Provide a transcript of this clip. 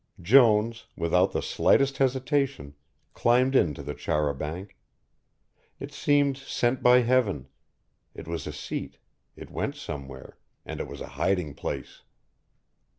Jones, without the slightest hesitation, climbed into the char a banc. It seemed sent by Heaven. It was a seat, it went somewhere, and it was a hiding place.